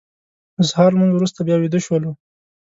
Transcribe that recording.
د سهار لمونځ وروسته بیا ویده شولو.